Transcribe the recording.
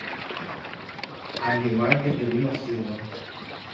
Aguimarques de Lima Silva